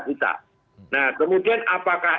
cita nah kemudian apakah